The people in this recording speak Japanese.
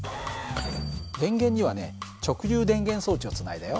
電源にはね直流電源装置をつないだよ。